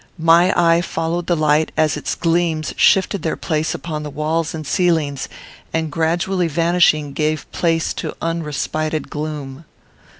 My eye followed the light as its gleams shifted their place upon the walls and ceilings, and, gradually vanishing, gave place to unrespited gloom.